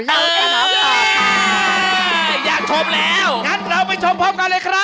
เล่าให้เราขอบค่ะ